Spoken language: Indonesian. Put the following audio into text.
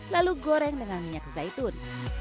lalu goreng dengan minyak zaitun